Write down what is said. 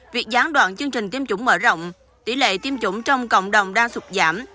việc gián đoạn chương trình tiêm chủng mở rộng tỷ lệ tiêm chủng trong cộng đồng đang sụt giảm